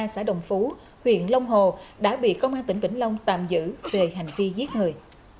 xã đồng phú huyện long hồ đã bị công an tỉnh vĩnh long tạm giữ về hành vi giết người